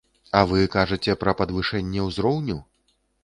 А вы кажаце пра падвышэнне ўзроўню?